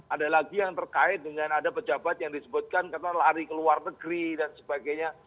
ada lagi yang terkait dengan ada pejabat yang disebutkan karena lari ke luar negeri dan sebagainya